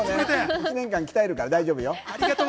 １年間、鍛えるから大丈夫よ。